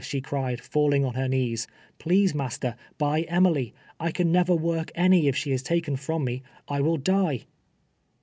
" she cried, falling on her knees. " Phrase, master, buy Emily. I can never work any if she is taken from me : I will die."